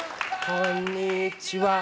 こんにちはー！